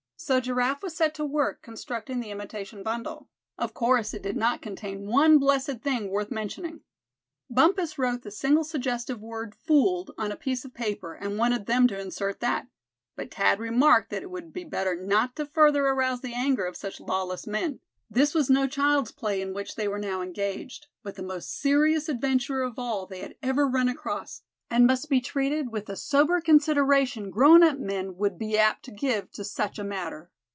So Giraffe was set to work constructing the imitation bundle. Of course it did not contain one blessed thing worth mentioning. Bumpus wrote the single suggestive word "fooled" on a piece of paper, and wanted them to insert that; but Thad remarked that it would be better not to further arouse the anger of such lawless men. This was no child's play in which they were now engaged, but the most serious adventure of all they had ever run across; and must be treated with the sober consideration grown up men would be apt to give to such a matter.